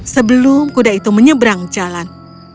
sebelum kuda itu menyeberang jalan